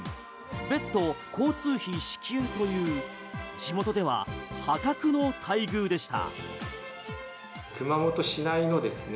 別途交通費支給という仕事では破格の待遇でした。